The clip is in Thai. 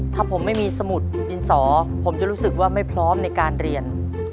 ถ้าผมไม่มีสมุดดินสอผมจะรู้สึกว่าไม่พร้อมในการเรียน